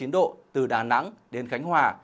hai mươi sáu hai mươi chín độ từ đà nẵng đến khánh hòa